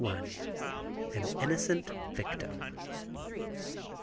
AN INNOCENT VICTIM.